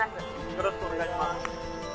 「よろしくお願いします」